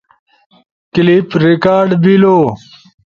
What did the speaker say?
کلپ ریکارڈ بیلو